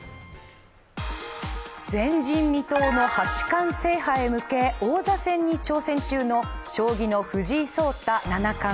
前人未到の八冠制覇へ向け王座戦に挑戦中の将棋の藤井聡太七冠。